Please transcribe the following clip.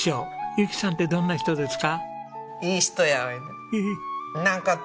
由紀さんってどんな人ですか？